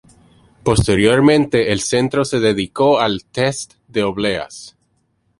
Posteriormente el centro se dedicó al test de obleas.